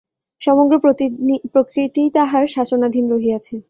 সমগ্র প্রকৃতিই তাঁহার শাসনাধীন রহিয়াছে।